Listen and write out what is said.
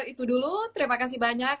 itu dulu terima kasih banyak